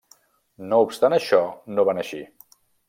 No obstant això no va anar així.